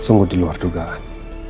sungguh diluar dugaan